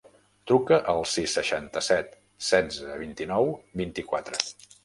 Truca al sis, seixanta-set, setze, vint-i-nou, vint-i-quatre.